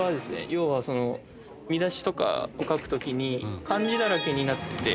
要はその見出しとかを書く時に漢字だらけになってて。